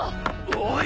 おい！